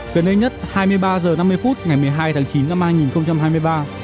gần đây nhất hai mươi ba h năm mươi phút ngày một mươi hai tháng chín năm hai nghìn hai mươi ba